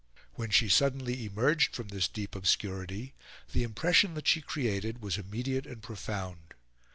When she suddenly emerged from this deep obscurity, the impression that she created was immediate and profound.